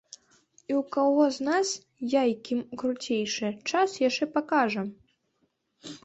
І ў каго з нас яйкі круцейшыя, час яшчэ пакажа.